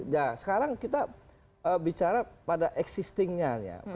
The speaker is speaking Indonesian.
nah sekarang kita bicara pada existing nya ya